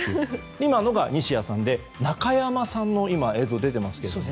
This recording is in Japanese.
今のが西矢さんで中山さんの映像が出てますが。